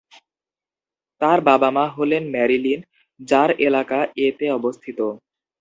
তার বাবা-মা হলেন ম্যারিলিন, যার এলাকা এ-তে অবস্থিত।